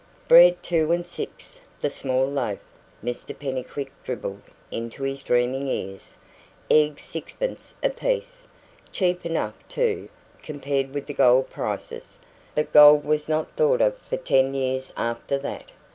"Bread two and six the small loaf," Mr Pennycuick dribbled into his dreaming ears. "Eggs sixpence apiece. Cheap enough, too, compared with the gold prices. But gold was not thought of for ten years after that.